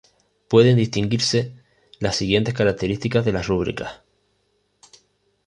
Pueden distinguirse las siguientes características de las rúbricas.